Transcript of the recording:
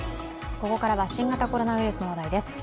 ここからは新型コロナウイルスの話題です。